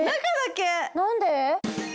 「なんで？」